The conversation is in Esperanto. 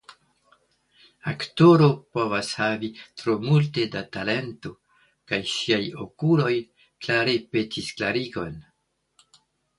Aktoro povas havi tro multe da talento, kaj ŝiaj okuloj klare petis klarigon.